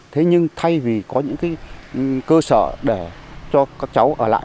thế nhưng thay vì có những cái cơ sở để cho các cháu ở lại